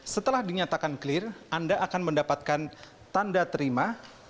setelah dinyatakan clear anda akan mendapatkan tanda terima